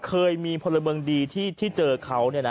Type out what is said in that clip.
เคยมีพลเมืองดีที่เจอเขา